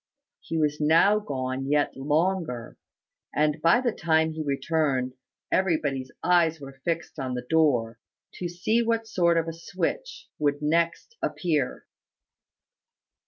He was now gone yet longer; and by the time he returned everybody's eyes were fixed on the door, to see what sort of a switch would next appear.